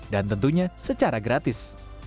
dan tentunya secara gratis